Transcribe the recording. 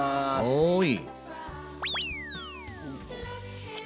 はい。